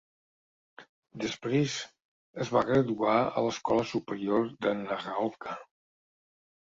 Després, es va graduar a l'Escola Superior de Nagaoka.